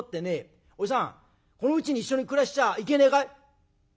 このうちに一緒に暮らしちゃいけねえかい？」。